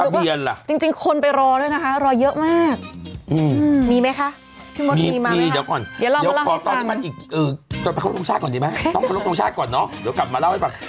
เดี๋ยวลองมาเล่าให้ฟังต้องไปคลุกตรงชาติก่อนดีไหมต้องคลุกตรงชาติก่อนเนอะเดี๋ยวกลับมาเล่าให้ฟัง